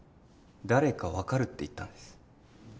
「誰か分かる」って言ったんです